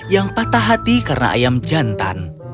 yang patah hati karena ayam jantan